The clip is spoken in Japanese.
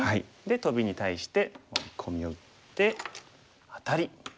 トビに対してワリコミを打ってアタリ。